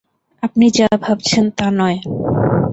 আপনি যা ভাবছেন তা নয়।